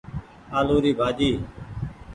آلو ري ڀآڃي۔